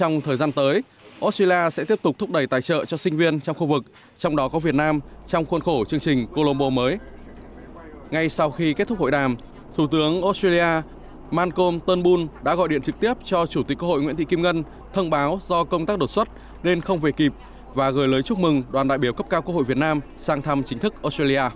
ngày sau lệ đón chủ tịch hạ viện australia scott ryan và chủ tịch quốc hội nguyễn thị kim ngân đã tiến hành ngội đào